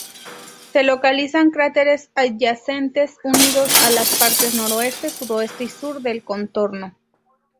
Se localizan cráteres adyacentes unidos a las partes noreste, suroeste y sur del contorno.